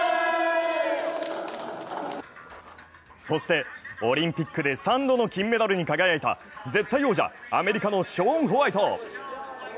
そしてオリンピックで３度の金メダルに輝いた絶対王者、アメリカのショーン・ホワイト。